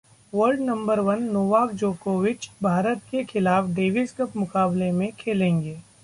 world number one Novak जोकोविच भारत के खिलाफ डेविस कप मुकाबले में खेलेंगे